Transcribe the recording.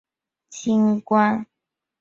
轻关易道，通商宽农